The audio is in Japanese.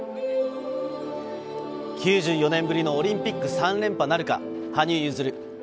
９４年ぶりのオリンピック３連覇なるか羽生結弦。